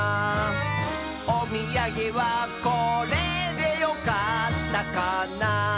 「おみやげはこれでよかったかな」